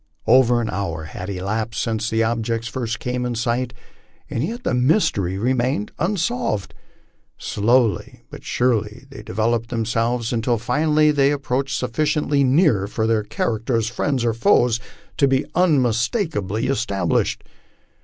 Over an hour had elapsed since the ob jects first came in sight, and yet the mystery remained unsolved. Slowly but surely they developed themselves, until finally they had approached sufficiently near for their character as friends or foes to be unmistakably established.